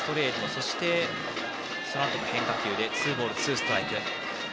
そしてそのあとに変化球でツーボール、ツーストライク。